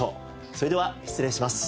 それでは失礼します。